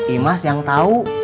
imas yang tau